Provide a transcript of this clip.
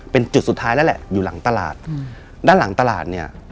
เป็นจุดสุดท้ายแล้วแหละอยู่หลังตลาดอืมด้านหลังตลาดเนี่ย